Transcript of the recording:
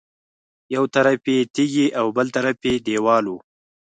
یو طرف یې تیږې او بل طرف یې دېوال و.